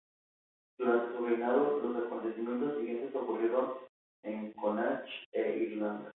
Durante su reinado, los acontecimientos siguientes ocurrieron en Connacht e Irlanda